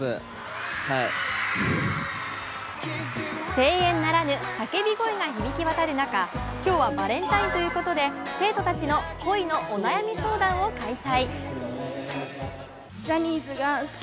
声援ならぬ叫び声が響き渡る中、今日はバレンタインということで生徒たちの恋のお悩み相談を開催。